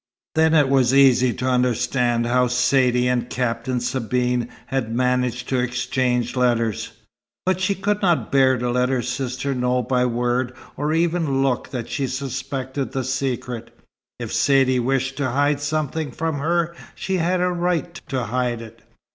Then it was easy to understand how Saidee and Captain Sabine had managed to exchange letters; but she could not bear to let her sister know by word or even look that she suspected the secret. If Saidee wished to hide something from her she had a right to hide it.